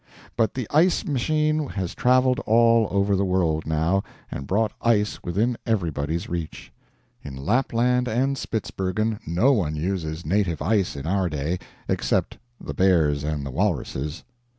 But the ice machine has traveled all over the world, now, and brought ice within everybody's reach. In Lapland and Spitzbergen no one uses native ice in our day, except the bears and the walruses.